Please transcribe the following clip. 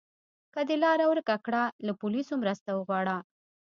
که د لاره ورکه کړه، له پولیسو مرسته وغواړه.